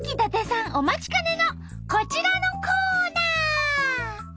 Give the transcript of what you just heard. お待ちかねのこちらのコーナー！